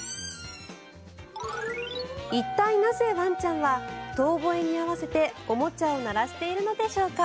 一体、なぜワンちゃんは遠ぼえに合わせておもちゃを鳴らしているのでしょうか。